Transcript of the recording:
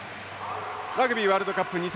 ラグビーワールドカップ２０１９